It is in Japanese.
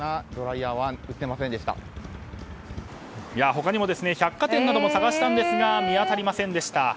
他にも百貨店なども探したんですが見当たりませんでした。